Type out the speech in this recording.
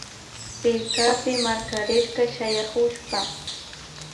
Pirkapi markarirka shayakushpa